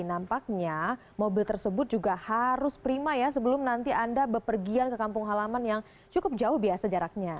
nampaknya mobil tersebut juga harus prima ya sebelum nanti anda bepergian ke kampung halaman yang cukup jauh biasa jaraknya